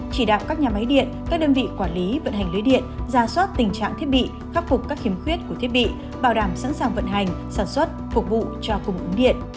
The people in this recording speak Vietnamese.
chỉ đạo các nhà máy điện các đơn vị quản lý vận hành lưới điện ra soát tình trạng thiết bị khắc phục các khiếm khuyết của thiết bị bảo đảm sẵn sàng vận hành sản xuất phục vụ cho cung ứng điện